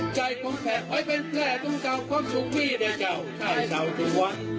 ใจของแผ่นอ้อยเป็นแพร่ต้องเก่าความสุขวีแต่เจ้าไทยเจ้าทุกวัน